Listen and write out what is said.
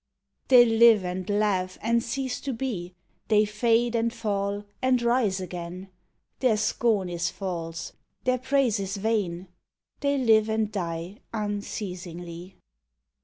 72 THEY They live and laugh and cease to be, They fade and fall and rise again, Their scorn is false, their praise is vain, They live and die unceasingly.